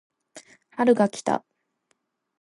春が来た